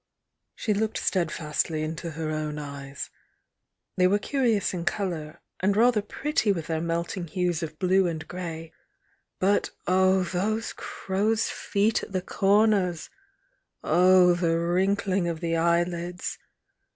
She looked steadfastly into her own eyes, — they were curious in colour, and rather pretty with their melting hues of blue and grey,— but, oh! —those crows' feet at the corners! — oh, the wrin kling of the eyelids!